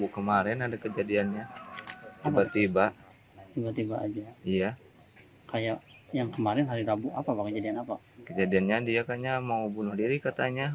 membandingkan kepala ke tiang listrik katanya